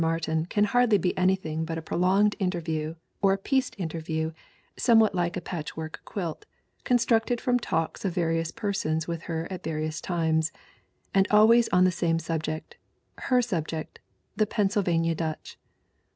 Martin can hardly be anything but a prolonged interview, or a pieced interview, somewhat like a patchwork quilt, constructed from talks of various persons with her at various times. And always on the same subject her subject the Pennsylvania Dutch.